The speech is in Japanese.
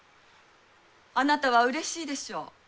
あなたはうれしいでしょう。